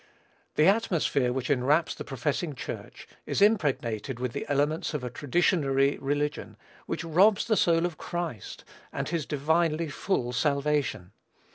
The atmosphere which enwraps the professing church, is impregnated with the elements of a traditionary religion, which robs the soul of Christ, and his divinely full salvation.